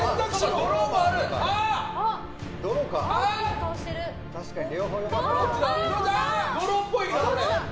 ドローっぽい？